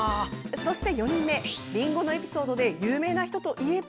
そして４人目、りんごのエピソードで有名な人といえば？